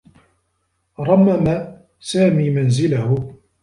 رمّم سامي منزله.